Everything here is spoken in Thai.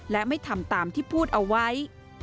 และไม่ทำตามที่พูดเอาไว้